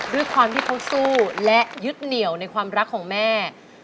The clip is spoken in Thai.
ด้วยความที่เขาสู้และยึดเหนี่ยวในความรักของแม่